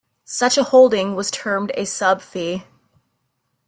Such a holding was termed a sub-fee.